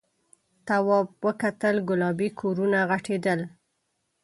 تواب وکتل گلابي کورونه غټېدل.